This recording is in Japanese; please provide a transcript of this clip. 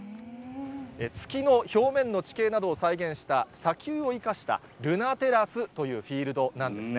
月の表面の地形などを再現した、砂丘を生かしたルナテラスというフィールドなんですね。